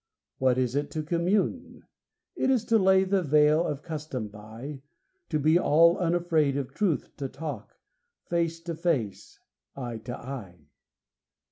What is it to commune? It is to lay the veil of custom by, To be all unafraid of truth to talk, Face to face, eye to eye.